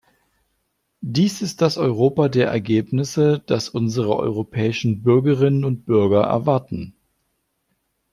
Dies ist das Europa der Ergebnisse, das unsere europäischen Bürgerinnen und Bürger erwarten.